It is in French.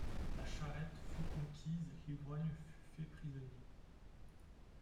La charrette fut conquise, l’ivrogne fut fait prisonnier.